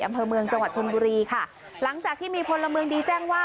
อำเภอเมืองจังหวัดชนบุรีค่ะหลังจากที่มีพลเมืองดีแจ้งว่า